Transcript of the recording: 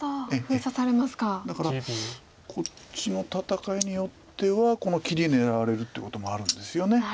だからこっちの戦いによってはこの切り狙われるってこともあるんですよね。